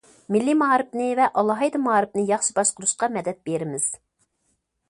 مىللىي مائارىپنى ۋە ئالاھىدە مائارىپنى ياخشى باشقۇرۇشقا مەدەت بېرىمىز.